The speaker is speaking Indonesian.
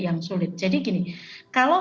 yang sulit jadi gini kalau